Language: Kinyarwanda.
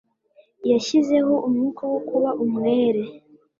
Yashyizeho umwuka wo kuba umwere.